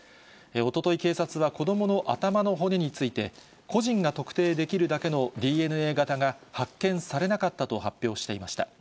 おととい、警察はこどもの頭の骨について、個人が特定できるだけのＤＮＡ型が発見されなかったと発表していました。